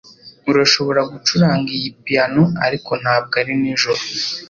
Urashobora gucuranga iyi piyano ariko ntabwo ari nijoro